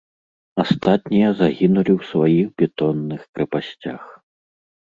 Астатнія загінулі ў сваіх бетонных крэпасцях.